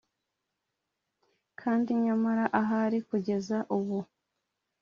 kandi nyamara ahari kugeza ubu,